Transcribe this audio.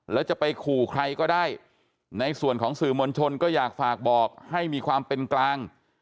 แล้วจะไปขู่ใครก็ได้ในส่วนของสื่อมวลชนก็อยากฝากบอกให้มีความเป็นกลาง